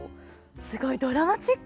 すごいドラマチック。